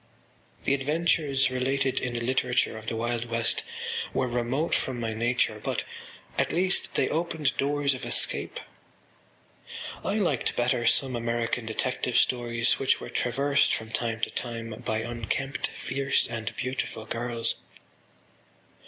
The adventures related in the literature of the Wild West were remote from my nature but, at least, they opened doors of escape. I liked better some American detective stories which were traversed from time to time by unkempt fierce and beautiful girls.